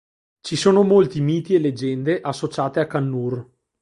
Ci sono molti miti e leggende associate a Kannur.